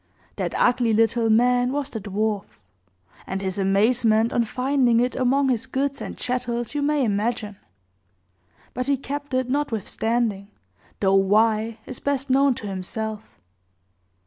That ugly little man was the dwarf; and his amazement on finding it among his goods and chattels you may imagine; but he kept it, notwithstanding, though why, is best known to himself.